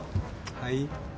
はい？